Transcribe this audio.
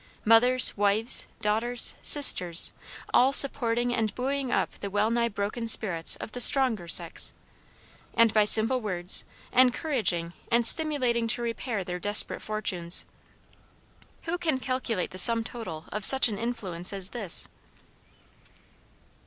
Mothers, wives, daughters, sisters all supporting and buoying up the well nigh broken spirits of the "stronger sex," and, by simple words, encouraging and stimulating to repair their desperate fortunes. Who can calculate the sum total of such an influence as this?